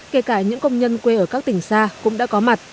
kể cả những công nhân quê ở các tỉnh xa cũng đã có mặt